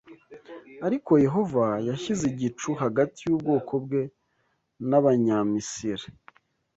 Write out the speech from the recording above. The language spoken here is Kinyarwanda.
Ariko Yehova yashyize igicu hagati y’ubwoko bwe n’Abanyamisiri